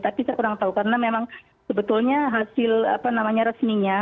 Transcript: tapi saya kurang tahu karena memang sebetulnya hasil resminya